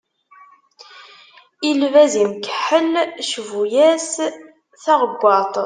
I lbaz imkeḥḥel, cbu-yas taɣeggaṭ.